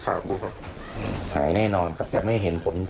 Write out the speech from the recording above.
เป็นอาการป่วย